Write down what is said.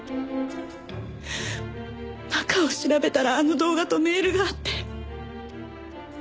中を調べたらあの動画とメールがあって。